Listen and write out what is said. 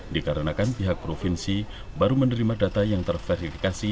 dikarenakan pihak provinsi baru menerima data yang terverifikasi